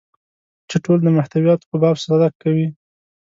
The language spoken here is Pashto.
چې ټول د محتویاتو په باب صدق کوي.